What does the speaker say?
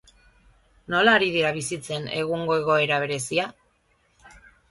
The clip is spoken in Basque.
Nola ari dira bizitzen egungo egoera berezia?